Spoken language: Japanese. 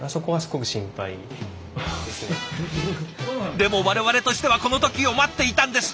でも我々としてはこの時を待っていたんです！